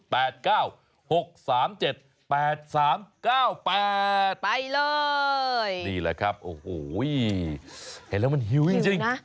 ไปเลยนี่แหละครับโอ้โหเห็นแล้วมันหิวจริงนะ